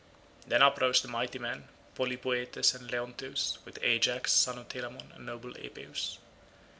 Then uprose the two mighty men Polypoetes and Leonteus, with Ajax son of Telamon and noble Epeus.